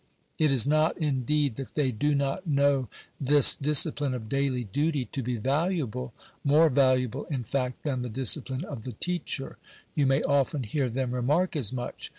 It is not indeed that they do not know this discipline of daily duty to be valuable — more valuable, in fact, than the discipline of the teacher. You may often hear them remark as much.